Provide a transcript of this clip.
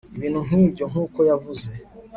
ibintu nk'ibyo, nk'uko yavuze